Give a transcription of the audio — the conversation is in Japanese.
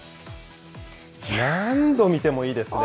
何度見てもいいですね。